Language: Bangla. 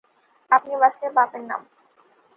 আপনি বাঁচলে বাপের নাম।